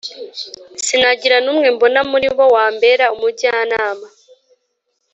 sinagira n’umwe mbona muri bo, wambera umujyanama!